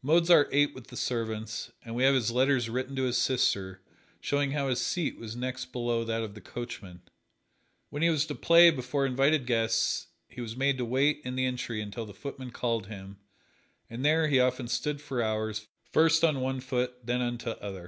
Mozart ate with the servants, and we have his letters written to his sister showing how his seat was next below that of the coachman. When he was to play before invited guests he was made to wait in the entry until the footman called him, and there he often stood for hours, first on one foot, then on t' other.